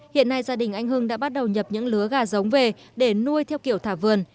hiện nay gia đình anh hưng đã bắt đầu nhập những lứa gà giống về để nuôi theo kiểu thả vườn